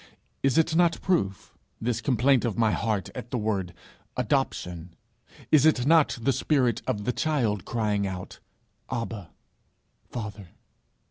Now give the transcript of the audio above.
Is it not proof this complaint of my heart at the word Adoption? Is it not the spirit of the child, crying out, "Abba, Father"?'